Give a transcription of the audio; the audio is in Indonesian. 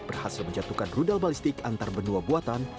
berhasil menjatuhkan rudal balistik antar benua buatan